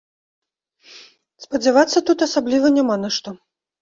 Спадзявацца тут асабліва няма на што.